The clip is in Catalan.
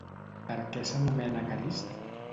Per què s'anomena Carist?